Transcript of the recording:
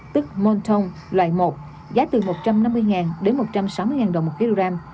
tức monton loại một giá từ một trăm năm mươi đến một trăm sáu mươi đồng một kg